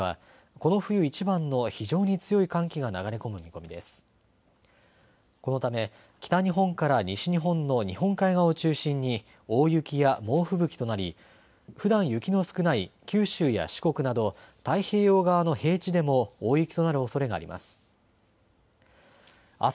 このため北日本から西日本の日本海側を中心に大雪や猛吹雪となりふだん雪の少ない九州や四国など太平洋側の平地でも大雪となるおそれがあります。